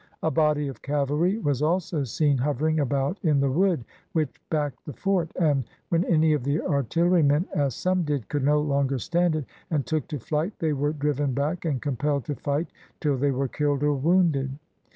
A body of cavalry was also seen hovering about in the wood which backed the fort, and when any of the artillerymen, as some did, could no longer stand it, and took to flight, they were driven back, and compelled to fight till they were killed or wounded.